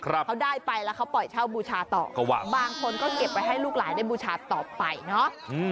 เขาได้ไปแล้วเขาปล่อยเช่าบูชาต่อบางคนก็เก็บไว้ให้ลูกหลานได้บูชาต่อไปเนาะ